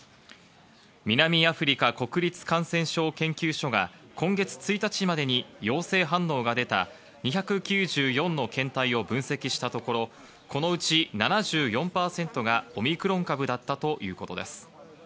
南アフリカ国立感染症研究所が今月１日までに陽性反応が出た２９４の検体を分析したところ、このうち７４％がオミクロン株だったということです。